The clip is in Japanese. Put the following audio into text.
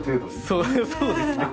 そうですね。